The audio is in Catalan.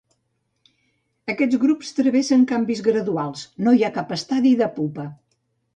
Aquests grups travessen canvis graduals; no hi ha cap estadi de pupa.